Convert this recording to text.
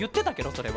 それは。